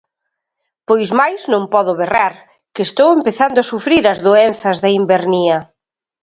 Pois máis non podo berrar, que estou empezando a sufrir as doenzas da invernía.